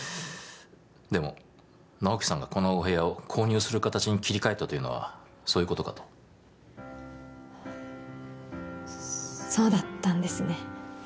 でも直木さんがこのお部屋を購入する形に切り替えたというのはそういうことかとそうだったんですね